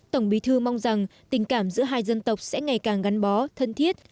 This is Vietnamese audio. tổng bí thư mong rằng tình cảm giữa hai dân tộc sẽ ngày càng gắn bó thân thiết